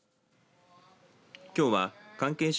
きょうは関係者